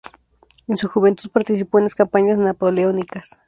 En su juventud participó en las campañas napoleónicas.